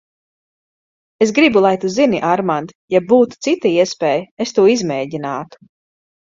Es gribu, lai tu zini, Armand, ja būtu cita iespēja, es to izmēģinātu.